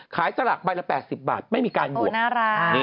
ขายสลักไปละ๘๐บาทไม่มีการบวก